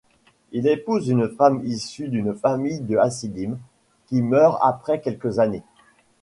Il épouse une femme issue d'une famille de Hassidim, qui meurt après quelques années.